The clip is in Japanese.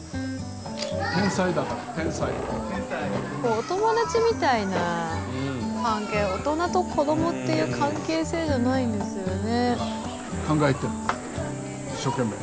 お友達みたいな関係大人と子どもっていう関係性じゃないんですよね。